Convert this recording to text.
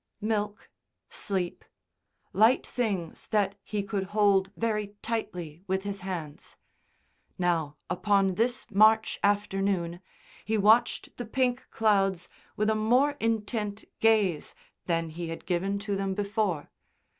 Milk, sleep, light things that he could hold very tightly with his hands. Now, upon this March afternoon, he watched the pink clouds with a more intent gaze than he had given to them before.